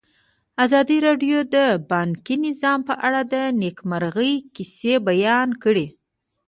ازادي راډیو د بانکي نظام په اړه د نېکمرغۍ کیسې بیان کړې.